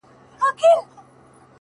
په زړه کي مي خبري د هغې د فريادي وې،